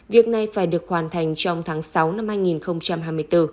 việc này phải được hoàn thành trong tháng sáu năm hai nghìn hai mươi bốn